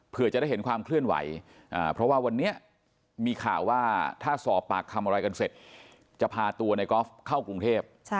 เพื่อจะได้เห็นความเคลื่อนไหวเพราะว่าวันนี้มีข่าวว่าถ้าสอบปากคำอะไรกันเสร็จจะพาตัวในกอล์ฟเข้ากรุงเทพ